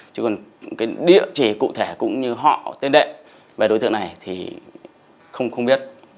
chứ còn cái địa chỉ cụ thể cũng như họ tên đệ về đối tượng này thì không biết